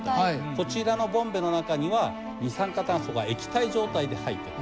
こちらのボンベの中には二酸化炭素が液体状態で入っています。